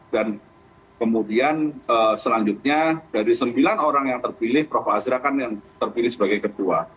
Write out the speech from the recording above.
dan kemudian selanjutnya dari sembilan orang yang terpilih prof azra kan yang terpilih sebagai kedua